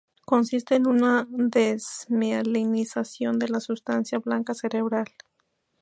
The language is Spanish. Consiste en una desmielinización de la sustancia blanca cerebral.